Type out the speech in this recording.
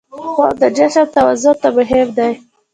خوب د جسم توازن ته مهم دی